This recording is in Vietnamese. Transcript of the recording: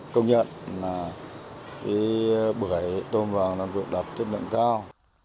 công nhận là bưởi tôm vàng đan phượng đạt chất lượng cao